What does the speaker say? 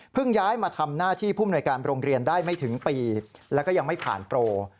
ย้ายมาทำหน้าที่ผู้มนวยการโรงเรียนได้ไม่ถึงปีแล้วก็ยังไม่ผ่านโปร